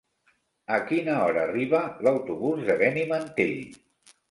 A quina hora arriba l'autobús de Benimantell?